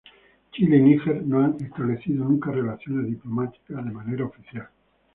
Chile y Níger no han establecido nunca relaciones diplomáticas de manera oficial.